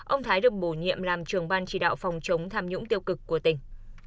ông thái được bổ nhiệm làm trưởng ban chỉ đạo phòng chống tham nhũng tiêu cực của tỉnh